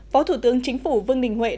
phó thủ tướng chính phủ vương đình huệ